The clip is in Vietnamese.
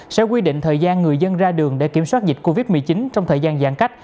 sẽ quy định thời gian người dân ra đường để kiểm soát dịch covid một mươi chín trong thời gian giãn cách